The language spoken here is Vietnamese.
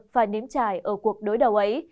phải nếm chải ở cuộc đối đầu ấy